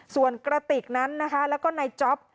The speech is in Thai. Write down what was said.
ส่วนกระติกนั้นนะคะแล้วก็นายจ๊อป